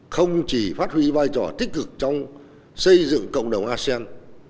không chỉ phát huy vai trò tích cực trong xây dựng cộng đồng asean